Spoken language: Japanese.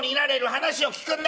話を聞くんだ。